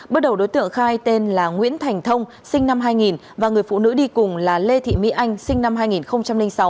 bước đầu đối tượng khai tên là nguyễn thành thông sinh năm hai nghìn và người phụ nữ đi cùng là lê thị mỹ anh sinh năm hai nghìn sáu